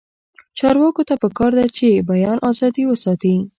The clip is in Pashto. چارواکو ته پکار ده چې، بیان ازادي وساتي.